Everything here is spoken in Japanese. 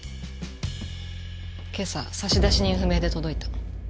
今朝差出人不明で届いた。